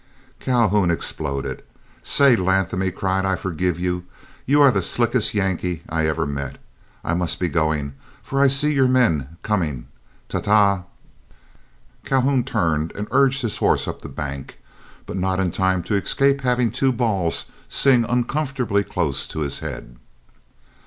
Calhoun exploded. "Say, Latham," he cried, "I forgive you. You are the slickest Yankee I ever met. I must be going, for I see your men are coming. Ta! ta!" Calhoun turned and urged his horse up the bank, but not in time to escape having two balls sing uncomfortably close to his head.